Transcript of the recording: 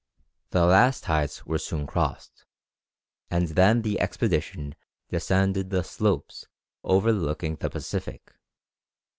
The last heights were soon crossed, and then the expedition descended the slopes overlooking the Pacific.